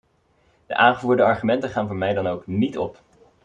De aangevoerde argumenten gaan voor mij dan ook niet op.